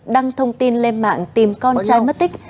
đăng thông tin lên mạng tìm con trai mất tích